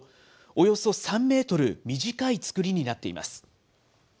およそ３メートル短い造りになっています。